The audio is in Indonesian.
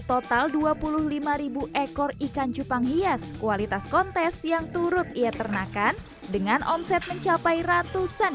total dua puluh lima ribu ekor ikan cupang hias kualitas kontes yang turut ia ternakan dengan omset mencapai ratusan